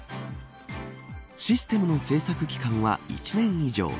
システムの制作期間は１年以上。